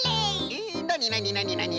えっなになになになに？